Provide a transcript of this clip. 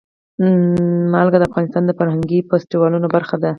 نمک د افغانستان د فرهنګي فستیوالونو برخه ده.